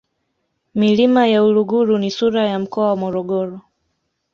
milima ya uluguru ni sura ya mkoa wa morogoro